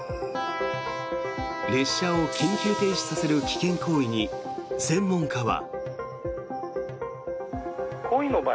列車を緊急停止させる危険行為に専門家は。